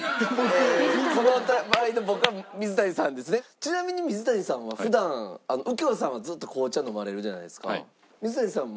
ちなみに水谷さんは普段右京さんはずっと紅茶飲まれるじゃないですか。